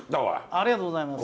ありがとうございます。